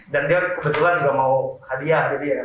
dan dia kebetulan juga mau hadiah jadi ya